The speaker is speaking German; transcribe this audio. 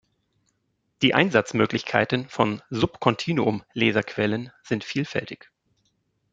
Die Einsatzmöglichkeiten von Superkontinuum-Laserquellen sind vielfältig.